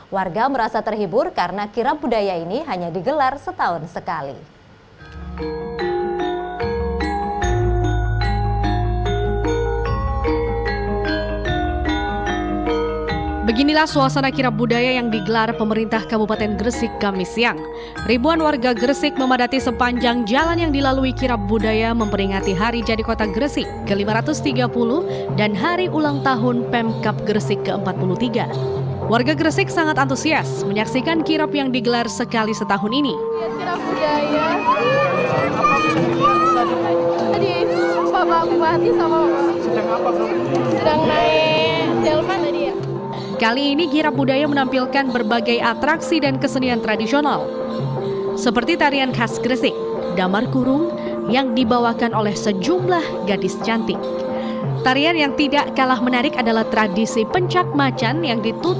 warga merasa terhibur karena kirap budaya ini hanya digelar setahun sekali